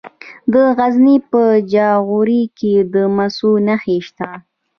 د غزني په جاغوري کې د مسو نښې شته.